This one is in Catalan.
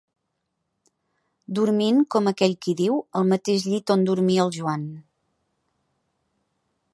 Dormint, com aquell qui diu, al mateix llit on dormia el Joan.